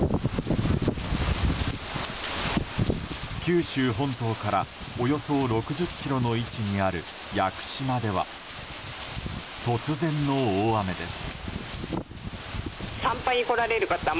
九州本島からおよそ６０ｋｍの位置にある屋久島では突然の大雨です。